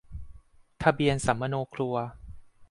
ทะเบียนสำมะโนครัว